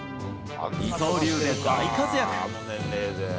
二刀流で大活躍。